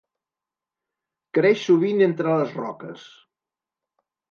Creix sovint entre les roques.